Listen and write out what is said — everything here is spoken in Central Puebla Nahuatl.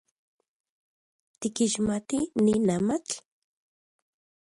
¿Tikixmati nin amatl?